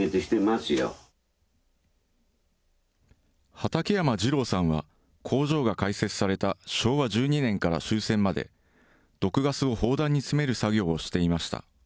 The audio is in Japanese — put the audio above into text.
畠山治郎さんは、工場が開設された昭和１２年から終戦まで、毒ガスを砲弾に詰める作業をしていました。